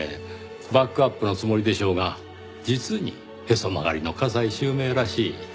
バックアップのつもりでしょうが実にへそ曲がりの加西周明らしい。